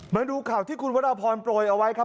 มาดูข่าวที่คุณวัดดาพรปล่อยเอาไว้ครับ